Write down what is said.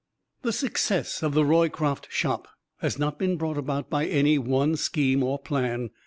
The success of the Roycroft Shop has not been brought about by any one scheme or plan.